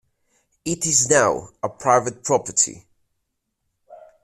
It is now a private property.